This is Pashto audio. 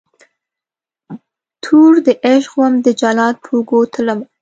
توردعشق وم دجلاد په اوږو تلمه